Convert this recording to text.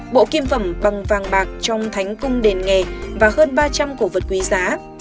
bộ kim phẩm bằng vàng bạc trong thánh cung đền nghề và hơn ba trăm linh cổ vật quý giá